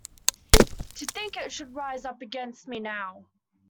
To think it should rise up against me now!